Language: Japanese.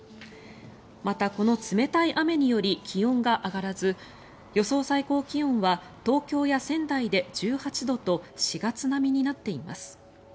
また、この冷たい雨により気温が上がらず予想最高気温は東京や仙台で１８度と４月並みになっています。